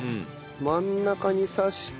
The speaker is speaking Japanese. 真ん中に刺して。